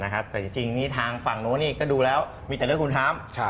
แต่จริงนี่ทางฝั่งโน้นนี่ก็ดูแล้วมีแต่เรื่องคุณธรรม